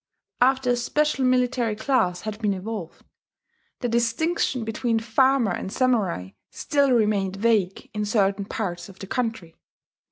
After a special military class had been evolved, the distinction between farmer and samurai still remained vague in certain parts of the country.